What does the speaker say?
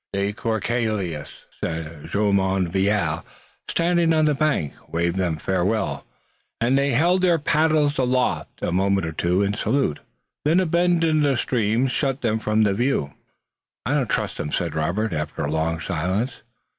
De Courcelles and Jumonville, standing on the bank, waved them farewell, and they held their paddles aloft a moment or two in salute. Then a bend shut them from view. "I don't trust them," said Robert, after a long silence.